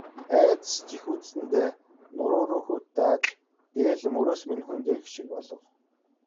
Айдас жихүүдсэндээ нуруу руу хүйт дааж, дээл мөрөөс минь хөндийрөх шиг болов.